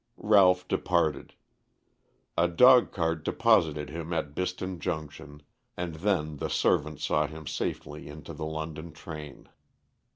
Ralph departed. A dogcart deposited him at Biston Junction, and then the servant saw him safely into the London train.